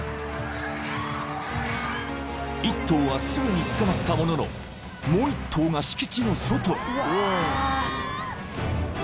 ［一頭はすぐに捕まったもののもう一頭が敷地の外へ］